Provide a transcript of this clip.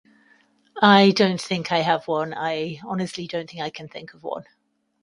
I don't think I have one, I honestly don't think I can think of one.